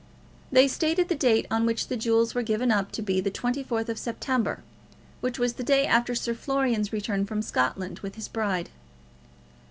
They stated the date on which the jewels were given up to be the 24th of September, which was the day after Sir Florian's return from Scotland with his bride.